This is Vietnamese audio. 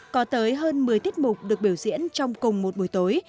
có tới hơn một mươi tiết mục được biểu diễn trong cùng một buổi tối